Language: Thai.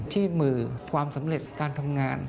ที่มือความสำเร็จการทำงาน